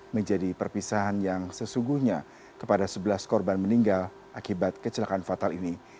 menjadi perpisahan yang sesungguhnya kepada sebelas korban meninggal akibat kecelakaan fatal ini